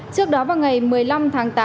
trước đó vào ngày một mươi năm tháng tám